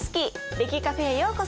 歴Ｃａｆｅへようこそ。